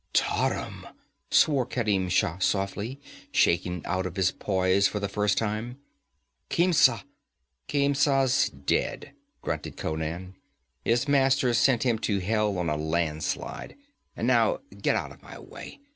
'Tarim!' swore Kerim Shah softly, shaken out of his poise for the first time. 'Khemsa ' 'Khemsa's dead,' grunted Conan. 'His masters sent him to hell on a landslide. And now get out of my way.